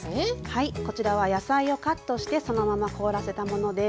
はいこちらは野菜をカットしてそのまま凍らせたものです。